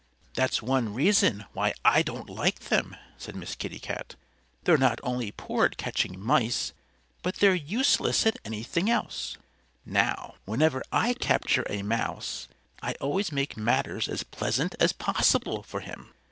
"That's one reason why I don't like them," said Miss Kitty Cat. "They're not only poor at catching mice, but they're useless at anything else. Now, whenever I capture a mouse I always make matters as pleasant as possible for, him.